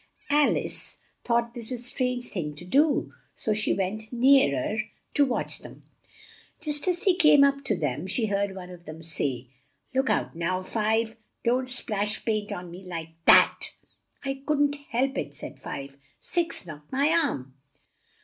Al ice thought this a strange thing to do, so she went near er to watch them. Just as she came up to them, she heard one of them say, "Look out now, Five! Don't splash paint on me like that!" "I couldn't help it," said Five, "Six knocked my arm."